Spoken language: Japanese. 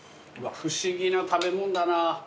不思議な食べ物だな。